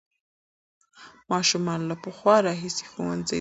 ماشومان له پخوا راهیسې ښوونځي ته تلل.